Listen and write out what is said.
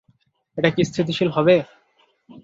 এটা কি স্থিতিশীল হবে?